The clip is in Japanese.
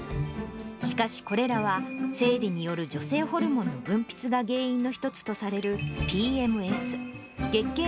しかしこれらは、生理による女性ホルモンの分泌が原因の一つとされるＰＭＳ・月経